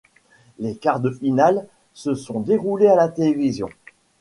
Les Quarts de Finale se sont déroulés à la télévision.